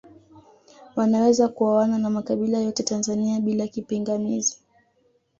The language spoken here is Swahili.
Wanaweza kuoana na makabila yote Tanzania bila kipingamizi